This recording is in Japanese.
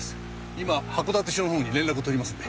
今函館署の方に連絡を取りますんで。